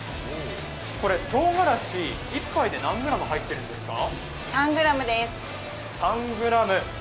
これ、とうがらし１杯で何グラム入ってるんですか？